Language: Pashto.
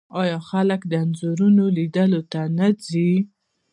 آیا خلک د انځورونو لیدلو ته نه ځي؟